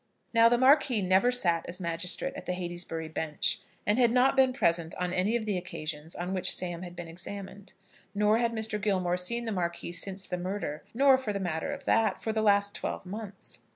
Now the Marquis never sat as a magistrate at the Heytesbury bench, and had not been present on any of the occasions on which Sam had been examined; nor had Mr. Gilmore seen the Marquis since the murder, nor, for the matter of that, for the last twelve months.